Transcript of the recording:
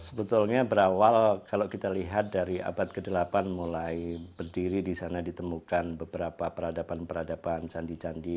sebetulnya berawal kalau kita lihat dari abad ke delapan mulai berdiri di sana ditemukan beberapa peradaban peradaban candi candi